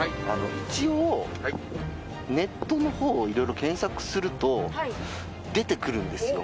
一応ネットの方いろいろ検索すると出てくるんですよ。